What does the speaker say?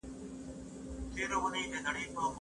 افغاني لویه جرګه د هیواد په تاریخ کي کله راټولیږي؟